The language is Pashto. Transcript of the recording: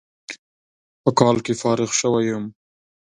په کال کې فارغ شوى يم.